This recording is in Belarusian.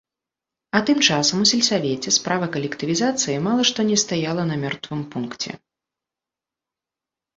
А тым часам у сельсавеце справа калектывізацыі мала што не стаяла на мёртвым пункце.